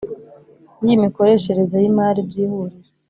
N iy imikoreshereze y imari by ihuriro